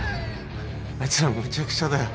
あいつらむちゃくちゃだよ。